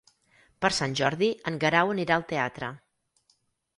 Per Sant Jordi en Guerau anirà al teatre.